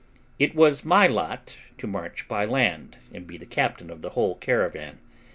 It was my lot to march by land, and be captain of the whole caravan.